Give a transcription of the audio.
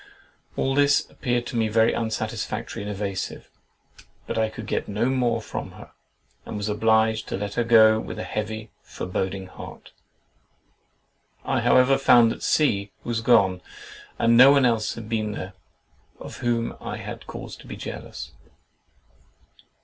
All this appeared to me very unsatisfactory and evasive; but I could get no more from her, and was obliged to let her go with a heavy, foreboding heart. I however found that C—— was gone, and no one else had been there, of whom I had cause to be jealous.